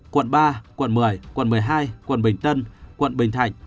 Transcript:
quận ba quận một mươi quận một mươi hai quận bình tân quận bình thạnh